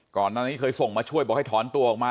ก่อนหน้านี้เคยส่งมาช่วยบอกให้ถอนตัวออกมา